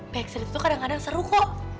paxide tuh kadang kadang seru kok